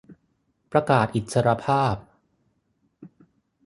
ประกาศอิสรภาพ